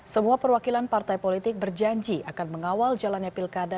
semua perwakilan partai politik berjanji akan mengawal jalannya pilkada